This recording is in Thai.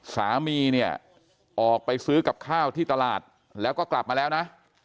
สามีเนี่ยออกไปซื้อกับข้าวที่ตลาดแล้วก็กลับมาแล้วนะ